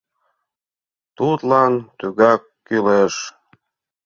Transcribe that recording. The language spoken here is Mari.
Тудлан тугак кӱлеш!